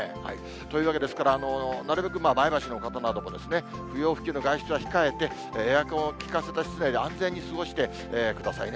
というわけですから、なるべく前橋の方なども、不要不急の外出は控えて、エアコンを効かせた室内で安全に過ごしてくださいね。